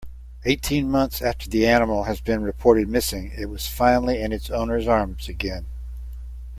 Eighteen months after the animal has been reported missing it was finally in its owner's arms again.